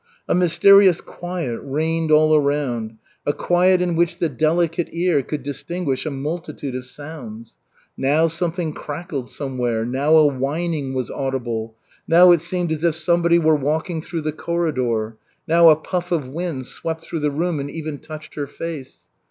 A mysterious quiet reigned all around, a quiet in which the delicate ear could distinguish a multitude of sounds. Now something crackled somewhere, now a whining was audible, now it seemed as if somebody were walking through the corridor, now a puff of wind swept through the room and even touched her face.